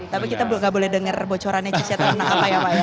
tapi kita gak boleh dengar bocorannya cicet apa ya pak ya